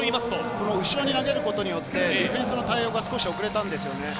後ろに投げることによって、ディフェンスの対応が少し遅れたんですよね。